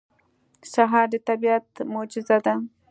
سهار د طبیعت معجزه ده.